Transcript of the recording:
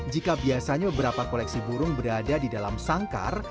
jika biasanya beberapa koleksi burung berada di dalam sangkar